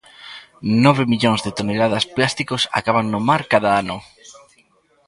Nove millóns de toneladas plásticos acaban no mar cada ano.